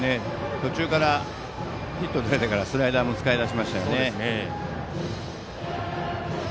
途中からヒットが出てからスライダーも使い始めましたね。